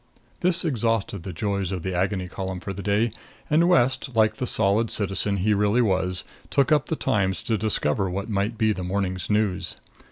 This exhausted the joys of the Agony Column for the day, and West, like the solid citizen he really was, took up the Times to discover what might be the morning's news.